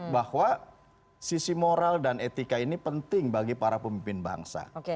bahwa sisi moral dan etika ini penting bagi para pemimpin bangsa